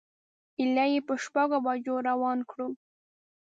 ایله یې په شپږو بجو روان کړو.